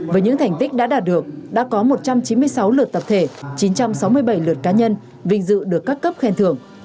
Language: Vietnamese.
với những thành tích đã đạt được đã có một trăm chín mươi sáu lượt tập thể chín trăm sáu mươi bảy lượt cá nhân vinh dự được các cấp khen thưởng